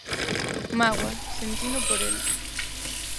Mágoa, sentino por el.